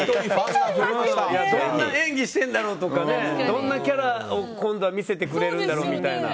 どんな演技してるんだろうとかどんなキャラを今度は見せてくれるんだろうみたいな。